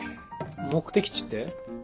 目的地って？